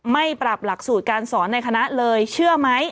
ไม่ปรับหลักสูตรการสอนในคณะเลยเชื่อไหม